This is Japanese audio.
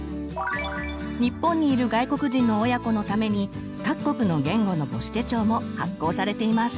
日本にいる外国人の親子のために各国の言語の母子手帳も発行されています。